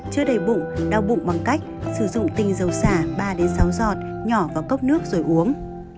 chưa đầy bụng đau bụng bằng cách sử dụng tinh dầu xả ba sáu giọt nhỏ vào cốc nước rồi uống